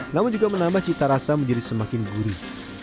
namun juga menambah cita rasa menjadi semakin gurih